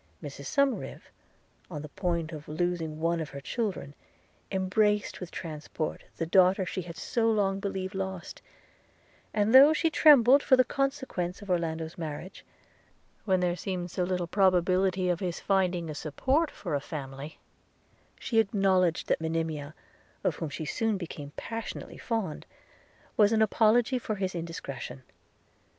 Mrs Somerive, on the point of losing one of her children, embraced, with transport, the daughter she had so long believed lost; and though she trembled for the consequence of Orlando's marriage, when there seemed so little probability of his finding a support for a family, she acknowledged that Monimia, of whom she soon became passionately fond, was an apology for his indiscretion.